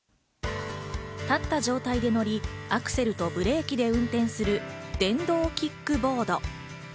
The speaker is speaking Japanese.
立った状態で乗り、アクセルとブレーキで運転する電動キックボード。